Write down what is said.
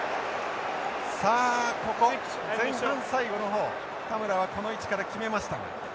さあここ前半最後の方田村はこの位置から決めました。